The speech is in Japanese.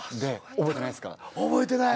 覚えてない。